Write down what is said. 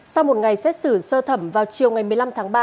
sau một ngày xét xử sơ thẩm vào chiều ngày một mươi năm tháng ba